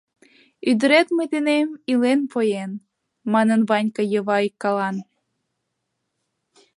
— Ӱдырет мый денем илен поен, — манын Ванька Йывайкалан.